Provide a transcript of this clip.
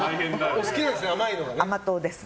お好きなんですよね、甘いのが。